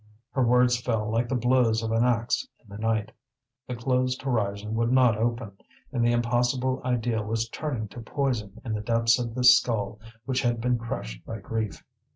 Her words fell like the blows of an axe in the night. The closed horizon would not open, and the impossible ideal was turning to poison in the depths of this skull which had been crushed by grief.